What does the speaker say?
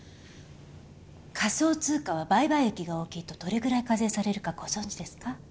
仮想通貨は売買益が大きいとどれぐらい課税されるかご存じですか？